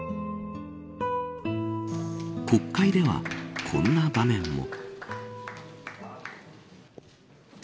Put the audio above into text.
国会では、こんな場面も。